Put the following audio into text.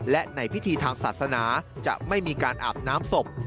และในพิธีทางศาสนาจะไม่มีการอาบน้ำศพ